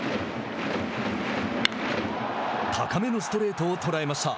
高めのストレートを捉えました。